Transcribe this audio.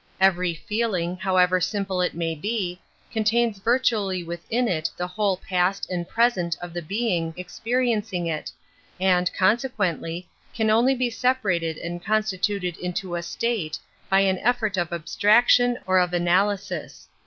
Every feeling, however simple it may be, contains virtually within it the whole past and present of the being experiencing it, and, consequently, can only be separated and constituted into a " state " by an effort of abstraction or of analysis.